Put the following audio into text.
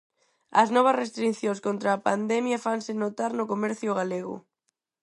As novas restricións contra a pandemia fanse notar no comercio galego.